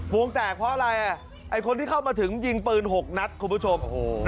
วงแตกเพราะอะไรคนที่เข้ามาถึงยิงปืน๖นัดคุณผู้ชม